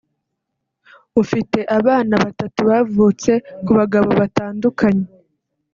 ufite abana batatu bavutse ku bagabo batandukanye